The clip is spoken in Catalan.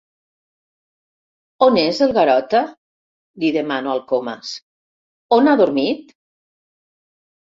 On és el Garota? —li demano al Comas— On ha dormit?